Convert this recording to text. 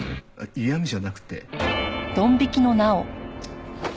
嫌みじゃなくて。